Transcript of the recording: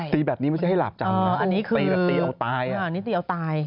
ตีแบบนี้ไม่ใช่ให้หลับจำตีแบบตีเอาตาย